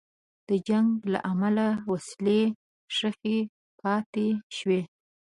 د جنګ له امله وسلې ښخي پاتې شوې.